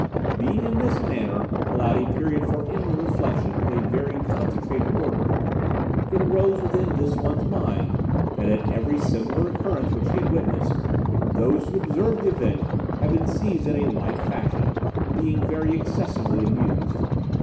Being in this manner allowed a period for inward reflexion of a very concentrated order, it arose within this one's mind that at every similar occurrence which he had witnessed, those who observed the event had been seized in a like fashion, being very excessively amused.